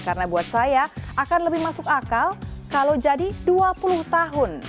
karena buat saya akan lebih masuk akal kalau jadi dua puluh tahun